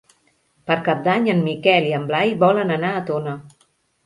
Per Cap d'Any en Miquel i en Blai volen anar a Tona.